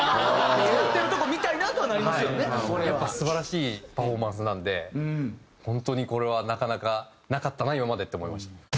素晴らしいパフォーマンスなので本当にこれはなかなかなかったな今までって思いました。